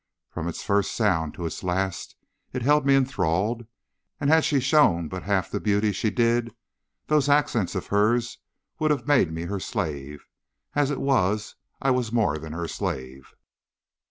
From its first sound to its last it held me enthralled, and had she shown but half the beauty she did, those accents of hers would have made me her slave. As it was, I was more than her slave.